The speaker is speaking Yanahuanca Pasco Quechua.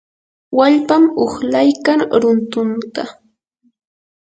wallpam uqlaykan runtunta.